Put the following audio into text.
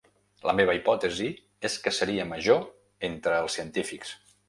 La meva hipòtesi és que seria major entre els científics.